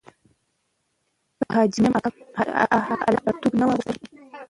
د حاجي مریم اکا هلک پرتوګ نه وو اغوستی.